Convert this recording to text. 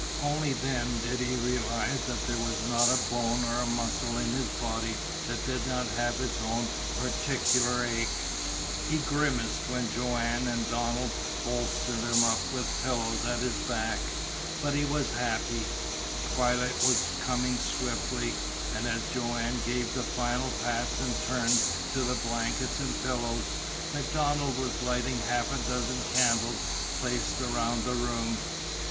Only then did he realize that there was not a bone or a muscle in his body that did not have its own particular ache. He grimaced when Joanne and Donald bolstered him up with blankets at his back. But he was happy. Twilight was coming swiftly, and as Joanne gave the final pats and turns to the blankets and pillows, MacDonald was lighting half a dozen candles placed around the room.